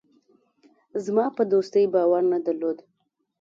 زما په دوستۍ باور نه درلود.